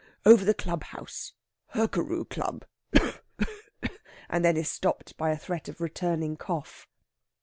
Over the club house Hurkaru Club " And then is stopped by a threat of returning cough.